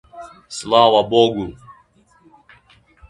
Слава Богу.